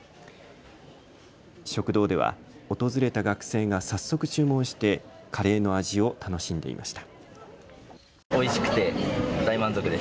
食堂では訪れた学生が早速、注文してカレーの味を楽しんでいました。